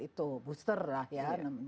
itu booster lah ya